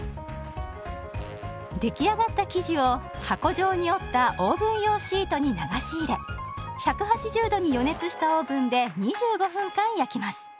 出来上がった生地を箱状に折ったオーブン用シートに流し入れ１８０度に予熱したオーブンで２５分間焼きます。